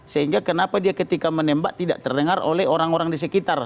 sehingga kenapa dia ketika menembak tidak terdengar oleh orang orang di sekitar